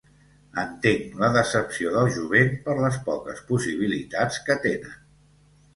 Entenc la decepció del jovent per les poques possibilitats que tenen.